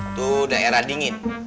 itu daerah dingin